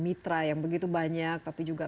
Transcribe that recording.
mitra yang begitu banyak tapi juga